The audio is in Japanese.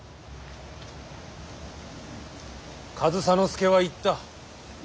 上総介は言った。